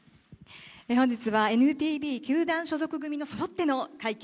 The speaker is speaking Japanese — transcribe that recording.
本日はＮＰＢ球団所属組そろっての会見。